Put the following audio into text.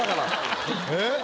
えっ？